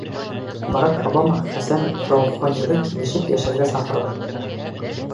Барак Обама Хәсән Раухониҙы килешеп йәшәргә саҡырҙы.